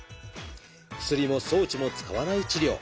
薬も装置も使わない治療。